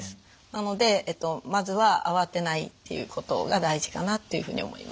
なのでまずはあわてないっていうことが大事かなっていうふうに思います。